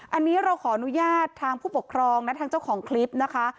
อันนี้เราขออนุญาตทางผู้ปกครองและทางเจ้าของคลิปนะคะ